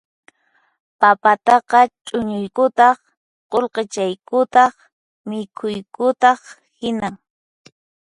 Papataqa chuñuykutaq qullqichaykutaq mikhuykutaq hinan